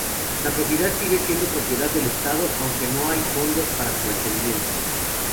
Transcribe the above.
La propiedad sigue siendo propiedad del Estado, aunque no hay fondos para su mantenimiento.